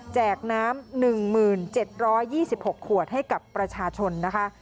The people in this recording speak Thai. น้ำ๑๗๒๖ขวดให้กับประชาชนนะคะ